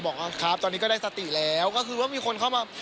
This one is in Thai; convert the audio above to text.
บอกว่าครับตอนนี้ก็ได้สติแล้วก็คือว่ามีคนเข้ามา